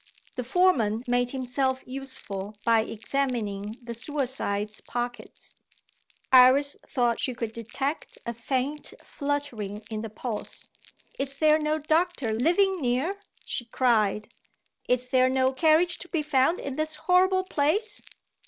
The foreman made himself useful by examining the suicide's pockets. Iris thought she could detect a faint fluttering in the pulse. "Is there no doctor living near?" she cried. "Is there no carriage to be found in this horrible place?"